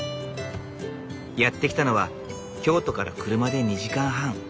やって来たのは京都から車で２時間半。